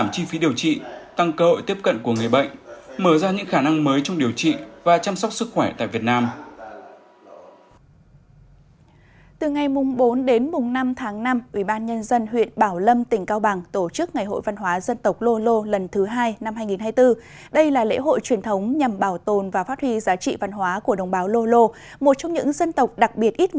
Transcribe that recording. một trong những dân tộc đặc biệt ít người nhưng lại có bề dày văn hóa đậm đà bản sắc